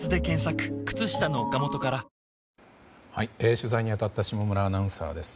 取材に当たった下村アナウンサーです。